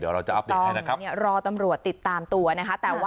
เดี๋ยวเราจะอัพเดทให้นะครับต้องเนี่ยรอตำรวจติดตามตัวนะฮะแต่ว่า